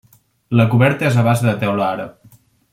La coberta és a base de teula àrab.